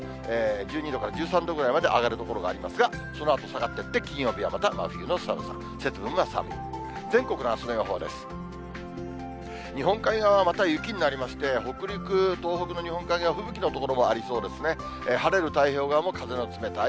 １２度から１３度ぐらいまで上がる所がありますが、そのあと下がってって、金曜日はまた真冬の寒さ、節分は寒い。